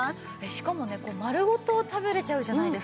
しかもねまるごと食べれちゃうじゃないですか。